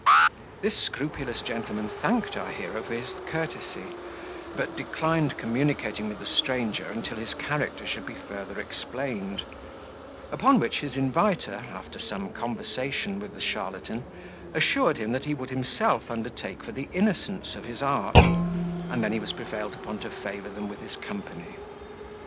This scrupulous gentleman thanked our hero for his courtesy, but declined communicating with the stranger until his character should be further explained; upon which his inviter, after some conversation with the charlatan, assured him that he would himself undertake for the innocence of his art; and then he was prevailed upon to favour them with his company.